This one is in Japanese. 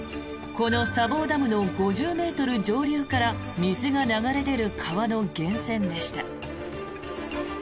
この砂防ダムの５０ｍ上流から水が流れ出る川の源泉でした。